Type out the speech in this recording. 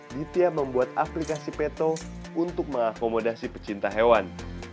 ditya membuat aplikasi peto untuk mengakomodasi pecinta hewan